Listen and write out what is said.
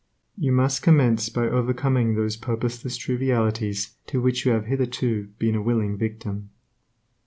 You must commence by overcoming those purposeless trivialities to which you have hitherto been a willing victim.